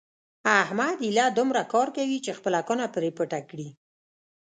احمد ایله دومره کار کوي چې خپله کونه پرې پټه کړي.